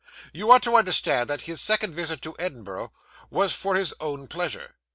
You are to understand that his second visit to Edinburgh was for his own pleasure.